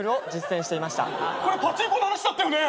これパチンコの話だったよね。